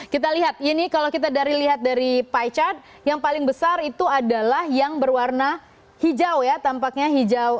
kita lihat ini kalau kita lihat dari pie chart yang paling besar itu adalah yang berwarna hijau ya tampaknya hijau